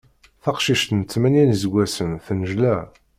Taqcict n tmanya n yiseggasen tennejla.